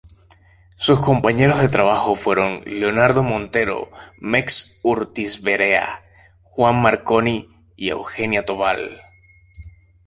Sus compañeros de trabajo fueron Leonardo Montero, Mex Urtizberea, Juan Marconi y Eugenia Tobal.